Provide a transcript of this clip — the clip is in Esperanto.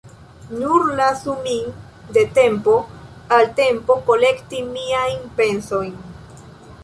Nur lasu min de tempo al tempo kolekti miajn pensojn.